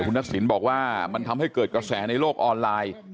ทักษิณบอกว่ามันทำให้เกิดกระแสในโลกออนไลน์